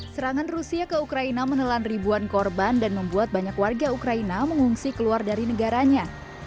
serangan rusia ke ukraina menelan ribuan korban dan membuat banyak warga ukraina mengungsi keluar dari negaranya